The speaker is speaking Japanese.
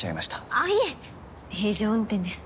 あっいえ平常運転です。